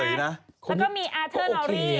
แล้วก็มีอาเทอร์ลอรี่